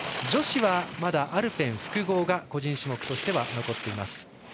女子はまだアルペン複合が個人種目として残っています。